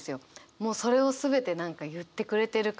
もうそれを全て何か言ってくれてる感じっていうか。